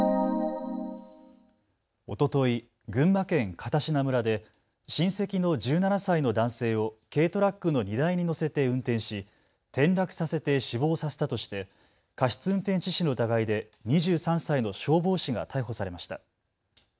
おととい、群馬県片品村で親戚の１７歳の男性を軽トラックの荷台に乗せて運転し転落させて死亡させたとして過失運転致死の疑いで２３歳の消防士が逮捕されました。